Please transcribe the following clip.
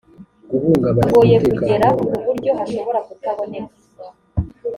hagoye kugera ku buryo hashobora kutaboneka